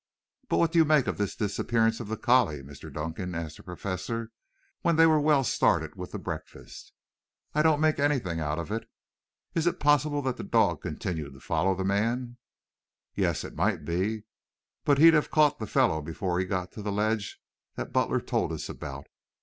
"But what do you make of this disappearance of the collie, Mr. Dunkan?" asked the Professor when they were well started with the breakfast. "I don't make anything out of it." "Is it possible that the dog continued to follow the man?" "Yes, it might be, but he'd caught the fellow before he got to the ledge that Butler told us about.